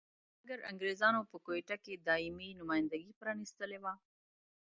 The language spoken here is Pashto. مګر انګریزانو په کوټه کې دایمي نمایندګي پرانیستلې وه.